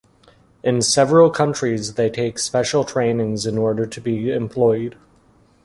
In several countries they take special trainings in order to be employed.